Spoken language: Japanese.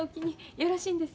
よろしいんです。